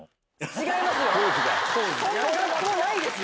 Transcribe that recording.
違いますよ！